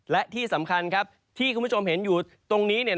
และที่สำคัญที่คุณผู้ชมเห็นอยู่ตรงนี้